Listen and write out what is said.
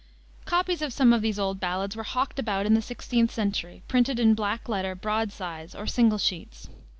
Copies of some of these old ballads were hawked about in the 16th century, printed in black letter, "broad sides," or single sheets.